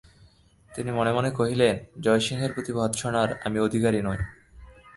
তিনি মনে মনে কহিলেন, জয়সিংহের প্রতি ভর্ৎসনার আমি অধিকারী নই।